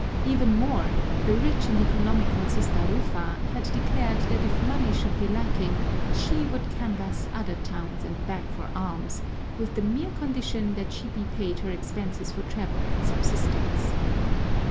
Even more, the rich and economical Sister Rufa had declared that if money should be lacking she would canvass other towns and beg for alms, with the mere condition that she be paid her expenses for travel and subsistence.